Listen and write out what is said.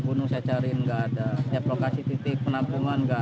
untuk jadinya saya savannah ini fact rem notifications